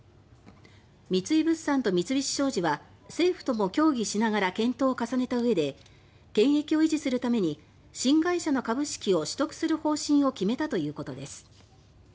三井物産と三菱商事は政府とも協議しながら検討を重ねたうえで権益を維持するために新会社の株式を取得する方針を決めたということです。